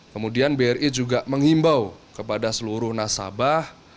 kemudian bri juga menghimbau kepada seluruh nasabah